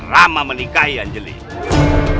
rama melikahi angjel complimentary